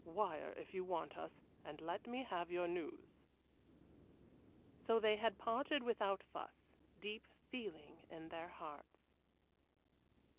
Wire if you want us and let me have your news." So they had parted without fuss, deep feeling in their hearts.